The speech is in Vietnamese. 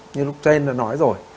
như lúc trên đã nói rồi